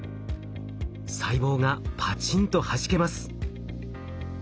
細胞がパチンとはじけます。